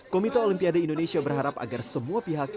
komite olimpiade indonesia berharap agar semua pihak